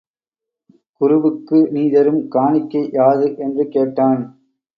குருவுக்கு நீ தரும் காணிக்கை யாது? என்று கேட்டான்.